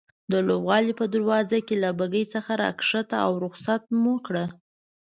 د لوبغالي په دروازه کې له بګۍ څخه راکښته او رخصت مو کړه.